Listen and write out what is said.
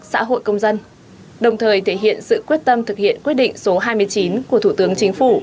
xã hội công dân đồng thời thể hiện sự quyết tâm thực hiện quyết định số hai mươi chín của thủ tướng chính phủ